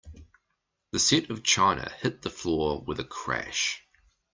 The set of china hit the floor with a crash.